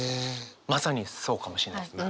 まさにそうかもしれないですね。